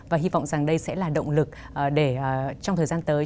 và hy vọng rằng đây sẽ là động lực để trong thời gian tới